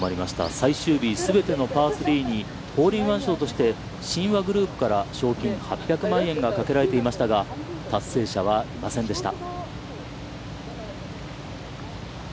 最終日、全てのパー３にホールインワン賞として信和グループから賞金８００万円がかけられていましたが、達成者はいませんでした。